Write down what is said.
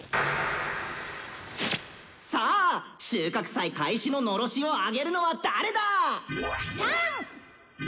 「さあ収穫祭開始の狼煙をあげるのは誰だ⁉」。